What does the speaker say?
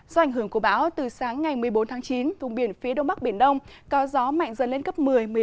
do ảnh hưởng của bão từ sáng ngày một mươi bốn tháng chín vùng biển phía đông bắc biển đông có gió mạnh dần lên cấp một mươi một mươi năm